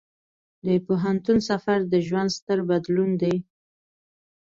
د پوهنتون سفر د ژوند ستر بدلون دی.